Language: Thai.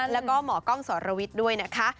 แล้วก็หมอกล้องสรวิทย์ด้วยนะคะ